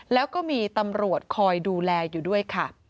แล้วก็มีตำรวจคอยดูแลอยู่ด้วยค่ะ